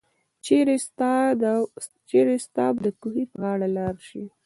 چيري ستاه به دکوهي په غاړه لار شي